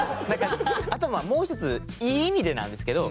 あともう１ついい意味でなんですけど。